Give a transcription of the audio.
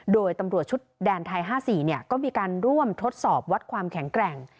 โดยตำรวจชุดแดนไทย๕๔ก็มีการร่วมทดสอบวัดความแข็งแกร่ง